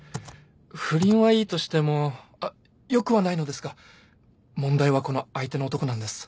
不倫はいいとしてもあっ良くはないのですが問題はこの相手の男なんです。